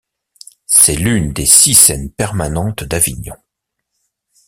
C'est l'une des six scènes permanentes d'Avignon.